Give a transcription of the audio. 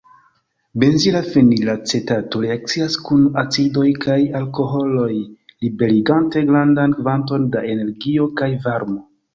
Benzila fenilacetato reakcias kun acidoj kaj alkoholoj liberigante grandan kvanton da energio kaj varmo.